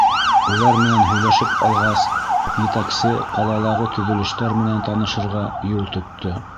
Улар менән һөйләшеп алғас, етәксе ҡалалағы төҙөлөштәр менән танышырға юл тотто.